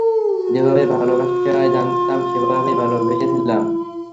যেভাবে ভালোবাসতে হয় জানতাম, সেভাবেই ভালোবেসেছিলাম।